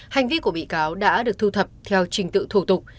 hành vi của bị cáo đã được thu thập theo trình tự thủ tục